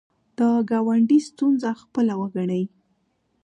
د ګاونډي ستونزه خپله وګڼئ